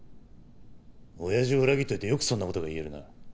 親父を裏切っといてよくそんな事が言えるな。